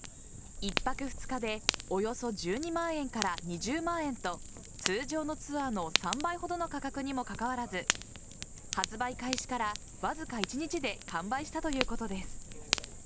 １泊２日でおよそ１２万円から２０万円と通常のツアーの３倍ほどの価格にもかかわらず発売開始から、わずか１日で完売したということです。